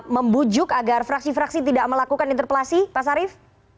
membujuk agar fraksi fraksi tidak melakukan interpelasi pak sarif